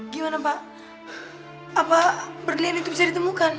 gimana pak berlian itu bisa ditemukan